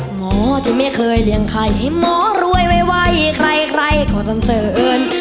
หมอจะไม่เคยเลี้ยงใครให้หมอรวยไวใครก็ต้องเสริญ